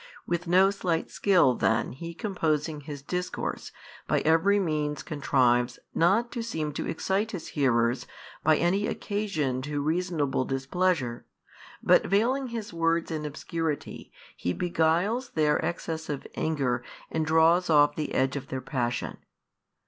With no slight skill then He composing His Discourse, by every means contrives not to seem to excite His hearers by any occasion to reasonable displeasure, but veiling His words in obscurity, He beguiles their excess of anger and draws off the edge of their passion.